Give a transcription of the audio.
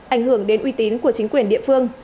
ảnh hưởng đến uy tín của chính quyền địa phương